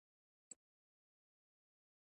باران ورېدلی و، ځمکه یې لنده او خټینه کړې وه.